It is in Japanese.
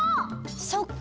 そっか！